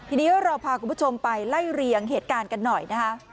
ทีนี้เราพาคุณผู้ชมไปไล่เรียงเหตุการณ์กันหน่อยนะคะ